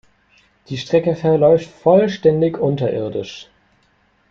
Die Strecke verläuft vollständig unterirdisch.